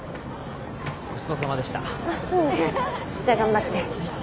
じゃあ頑張って。